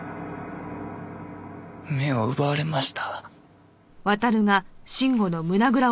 目を奪われました。